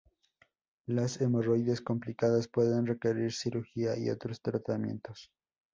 Las hemorroides complicadas pueden requerir cirugía y otros tratamientos.